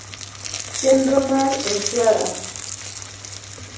Chenro mar insuarans